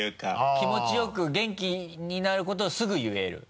気持ちよく元気になることをすぐ言える？